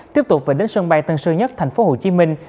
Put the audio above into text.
tiếp tục về đến sân bay tân sơ nhất thành phố hồ chí minh